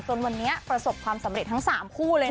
จนวันนี้ประสบความสำเร็จทั้ง๓คู่เลย